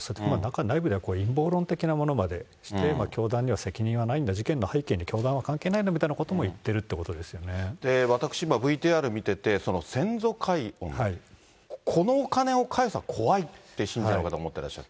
内部では陰謀論的なものまでして、教団には責任がないんだ、事件の背景に教団は関係ないんだみたいなことも言ってるというこ私、今、ＶＴＲ見てて、その先祖解怨、このお金を返すのは怖いって信者の方、思ってらっしゃる。